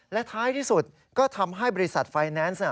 และท้ายที่สุดก็ทำให้บริษัทไฟแนนซ์